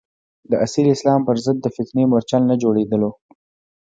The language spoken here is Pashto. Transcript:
د اصیل اسلام پر ضد د فتنې مورچل نه جوړېدلو.